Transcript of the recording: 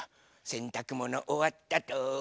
せんたくものおわったと。